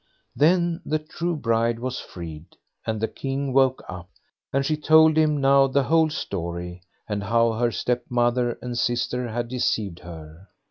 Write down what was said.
Then the true bride was freed, and the King woke up, and she told him now the whole story, and how her stepmother and sister had deceived her.